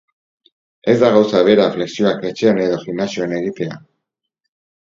Ez da gauza bera flexioak etxean edo gimnasioan egitea.